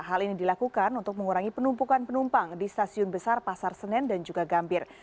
hal ini dilakukan untuk mengurangi penumpukan penumpang di stasiun besar pasar senen dan juga gambir